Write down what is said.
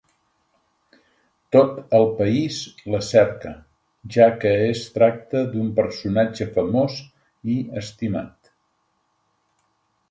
Tot el país la cerca, ja que es tracta d'un personatge famós i estimat.